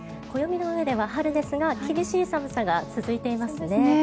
暦のうえでは春ですが厳しい寒さが続いていますね。